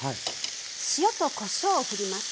塩とこしょうをふります。